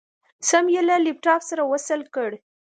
سيم يې له لپټاپ سره وصل کړ.